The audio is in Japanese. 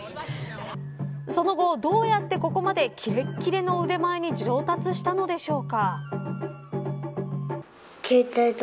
それからどうやってここまでキレッキレの状態に上達したのでしょうか。